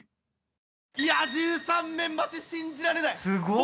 いや１３面待ち信じられない！